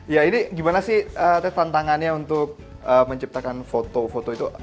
ya ini gimana sih teh tantangannya untuk menciptakan foto foto itu